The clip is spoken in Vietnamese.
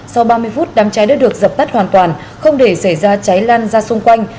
sau ba mươi phút đám cháy đã được dập tắt hoàn toàn không để xảy ra cháy lan ra xung quanh